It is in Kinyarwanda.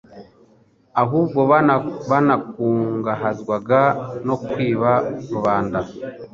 ahubwo banakungahazwaga no kwiba rubanda.